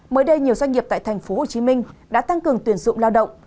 mới đây nhiều doanh nghiệp tại tp hcm đã tăng cường tuyển dụng lao động